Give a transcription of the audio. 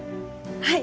はい！